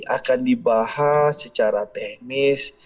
akan dibahas secara teknis